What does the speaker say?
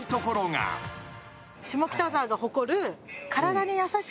下北沢が誇る。